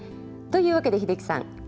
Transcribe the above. というわけで英樹さん